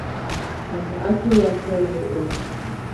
قناعت راکړی و.